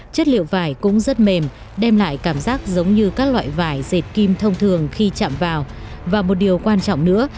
chất liệu vải cũng rất mềm đem lại cảm giác giống như các loại vải dệt kim thông thường khi chạm vào và một điều quan trọng nữa